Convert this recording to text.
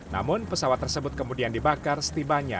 namun pesawat tersebut kemudian dibakar setibanya